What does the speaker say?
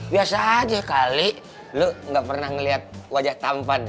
biasa aja kali lo gak pernah ngeliat wajah tampan